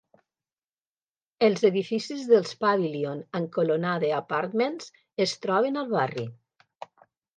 Els edificis dels Pavilion and Colonnade Apartments es troben al barri.